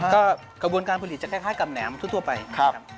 ก็กระบวนการผลิตจะคล้ายกับแหนมทั่วไปครับ